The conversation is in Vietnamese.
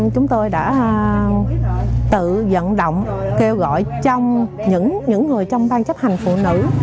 chúng tôi đã tự dẫn động kêu gọi trong những người trong ban chấp hành phụ nữ